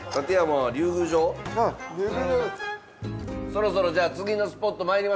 そろそろじゃあ次のスポット参りましょうか。